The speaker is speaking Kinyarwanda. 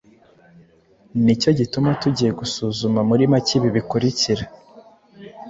Nicyo gituma tugiye gusuzuma muri make ibi bikurikira: